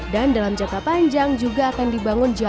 dan dalam jangka panjang juga akan dibangun jalan